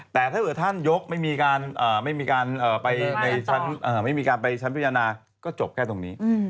แต่ถ้าเกิดท่านยกไม่มีการไปชั้นพิจารณาก็จบแค่ตรงนี้